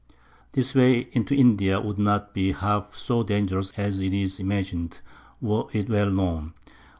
This Way into India would not be half so dangerous as it is imagined, were it well known.